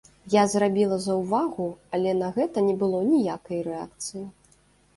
Я зрабіла заўвагу, але на гэта не было ніякай рэакцыі.